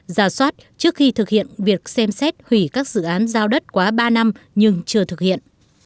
giả soát trước khi thực hiện việc xem xét hủy các dự án giao đất quá ba năm nhưng chưa thực hiện